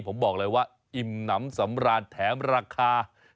ผมบอกเลยว่าอิ่มน้ำสำราญแถมราคา